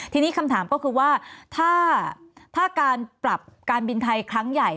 ทีนี้คำถามก็คือว่าถ้าการปรับการบินไทยครั้งใหญ่